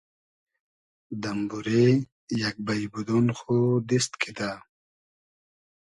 دئمبورې یئگ بݷ بودۉن خو دیست کیدۂ